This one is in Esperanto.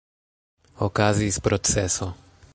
Okazis proceso.